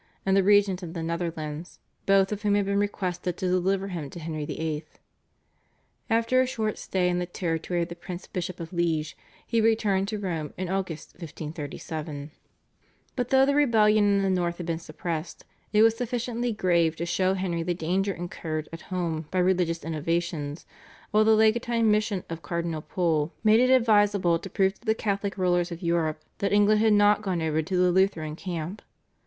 and the regent of the Netherlands, both of whom had been requested to deliver him to Henry VIII. After a short stay in the territory of the Prince bishop of Liège he returned to Rome in August 1537. But though the rebellion in the north had been suppressed, it was sufficiently grave to show Henry the danger incurred at home by religious innovations, while the legatine mission of Cardinal Pole made it advisable to prove to the Catholic rulers of Europe that England had not gone over to the Lutheran camp.